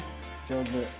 上手。